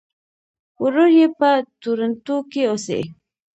ورور یې په ټورنټو کې اوسي.